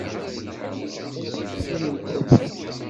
Maɣef ay ttxemmiment aya?